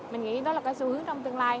mình nghĩ đó là cái xu hướng trong tương lai